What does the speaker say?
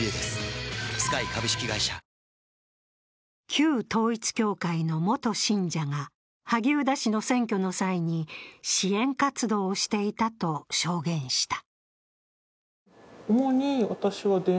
旧統一教会の元信者が萩生田氏の選挙の際に支援活動をしていたと証言した。